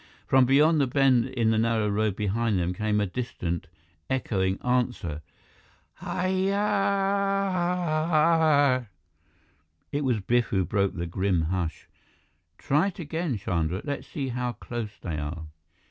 From beyond the bend in the narrow road behind them came a distant, echoing answer: "Hyyyyaaaaahhhh!" It was Biff who broke the grim hush. "Try it again, Chandra. Let's see how close they are."